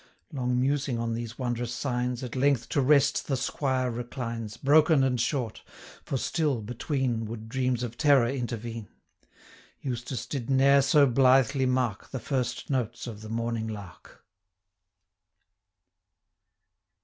Long musing on these wondrous signs, At length to rest the squire reclines, 610 Broken and short; for still, between, Would dreams of terror intervene: Eustace did ne'er so blithely mark The first notes of the morning lark.